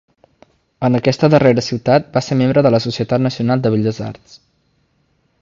En aquesta darrera ciutat va ser membre de la Societat Nacional de Belles Arts.